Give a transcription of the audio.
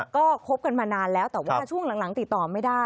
ก็คบกันมานานแล้วแต่ว่าช่วงหลังติดต่อไม่ได้